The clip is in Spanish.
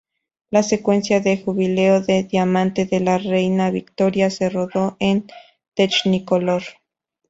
La secuencia del Jubileo de Diamante de la Reina Victoria se rodó en Technicolor.